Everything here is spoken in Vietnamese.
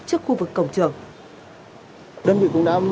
trước khu vực cổng trường